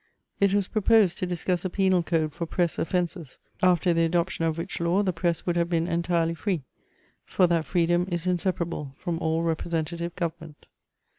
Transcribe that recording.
It was proposed to discuss a penal code for press offenses, after the adoption of which law the press would have been entirely free, for that freedom is inseparable from all representative government....